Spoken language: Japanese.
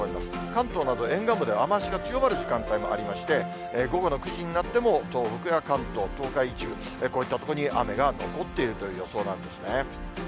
関東など沿岸部では、雨足が強まる時間帯もありまして、午後の９時になっても、東北や関東、東海一部、こういった所に雨が残っているという予想なんですね。